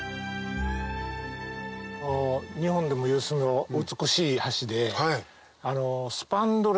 あの日本でも有数の美しい橋で。